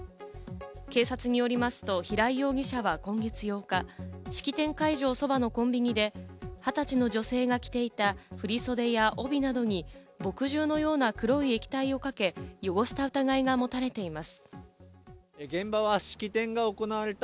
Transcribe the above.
警察によりますと平井容疑者は今月８日、式典会場側のコンビニで、二十歳の女性が着ていた振り袖や帯などに、墨汁のような黒い液体をかけ、汚した疑いが持たれています。